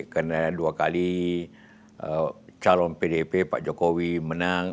karena dua kali calon pdp pak jokowi menang